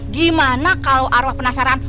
gimana kalau arwah penasaran